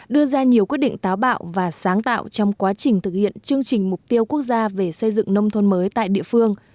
đưa ra nhiều quyết định táo bạo và sáng tạo trong quá trình thực hiện chương trình mục tiêu quốc gia về xây dựng nông thôn mới tại địa phương